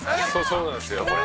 「そうなんですよこれ」